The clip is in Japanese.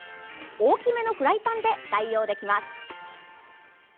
大きめのフライパンで代用できます。